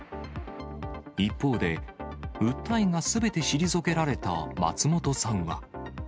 一方で、訴えがすべて退けられた松本さんは。